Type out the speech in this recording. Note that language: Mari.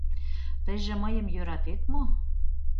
Тыйже мыйым йӧратет мо?